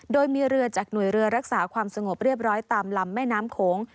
โดยมีเรือจากหน่วยเรือรักษาความสงบเรียบร้อยตามลำแม่น้ำโขง